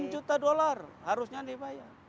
lima puluh enam juta dollar harusnya dibayar